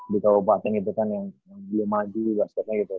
di kabupaten itu kan yang belum maju basketnya gitu